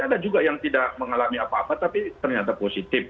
atau banyak term exactamente atau mungkin juga yang for granted tusuk busur heightened